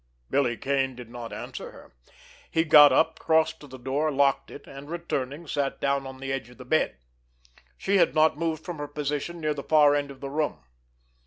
Billy Kane did not answer her. He got up, crossed to the door, locked it, and, returning, sat down on the edge of the bed. She had not moved from her position near the far end of the room.